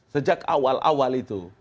sejak awal awal itu